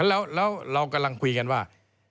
แล้วเรากำลังคุยกันว่า